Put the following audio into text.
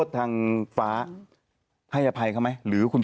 ได้แฟนมาหนึ่งคน